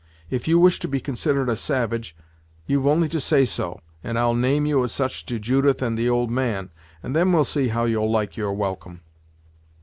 If you wish to be considered a savage, you've only to say so, and I'll name you as such to Judith and the old man, and then we'll see how you'll like your welcome."